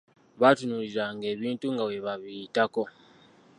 Baatunuuliranga ebintu nga bwe babiyitako.